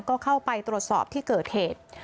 ก็เข้าไปตรวจสอบที่เกิดเหตุ